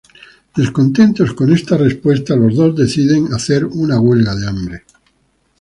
Descontentos con esta respuesta, los dos deciden hacer una huelga de hambre.